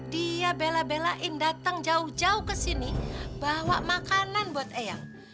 dia bela belain dateng jauh jauh kesini bawa makanan buat eyang